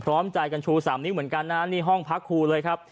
พร้อมใจกันชู๓นิ้วเหมือนกันนะนี่ห้องพักครูเลยครับ